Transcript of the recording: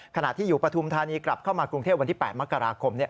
ขณะที่อยู่ปฐุมธานีกลับเข้ามากรุงเทพวันที่๘มกราคม